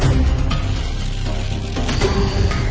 ตอนนี้ก็ไม่มีอัศวินทรีย์